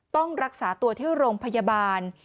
ต้องรักษาตัวที่โรงพยาบาล